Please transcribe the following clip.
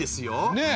ねえ！